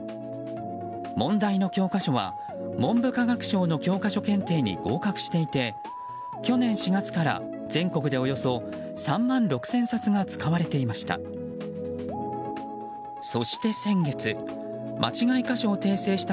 問題の教科書は文部科学省の教科書検定に合格していて去年４月から全国でおよそ３万６０００冊が使われていました。